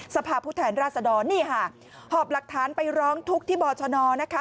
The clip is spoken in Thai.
สภาพผู้แทนราชดรนี่ค่ะหอบหลักฐานไปร้องทุกข์ที่บชนนะคะ